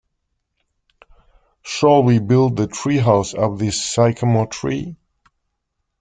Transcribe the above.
Shall we build the treehouse up this sycamore tree?